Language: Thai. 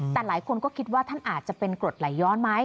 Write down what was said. แต่หลายคนก็คิดว่าท่านอาจจะเป็นกรดไหลย้อนไหม